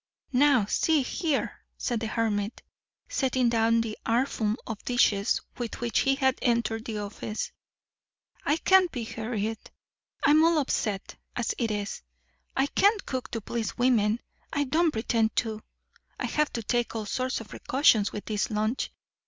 "Now see here," said the hermit, setting down the armful of dishes with which he had entered the office, "I can't be hurried. I'm all upset, as it is. I can't cook to please women I don't pretend to. I have to take all sorts of precautions with this lunch.